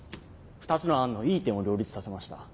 ２つの案のいい点を両立させました。